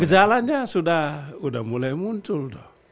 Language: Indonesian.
gejalanya sudah mulai muncul